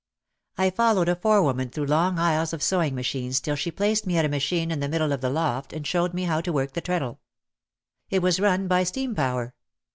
I followed a forewoman through long aisles of sew ing machines till she placed me at a machine in the middle of the loft and showed me how to work the treadle. It was run by steam power.